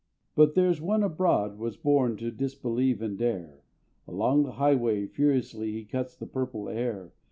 But there is one abroad was born To disbelieve and dare: Along the highway furiously He cuts the purple air.